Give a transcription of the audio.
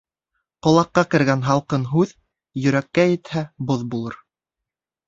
Колаҡҡа кергән һалҡын һүҙ, йөрәккә етһә, боҙ булыр